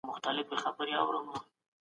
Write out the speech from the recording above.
د غلا سزا بايد عملي سي.